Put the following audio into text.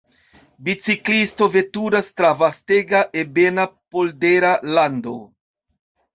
Biciklisto veturas tra vastega ebena poldera lando.